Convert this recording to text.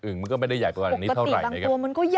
เอกกกระติบางตัวมันก็ใหญ่นะคุณ